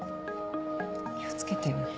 気を付けてよね。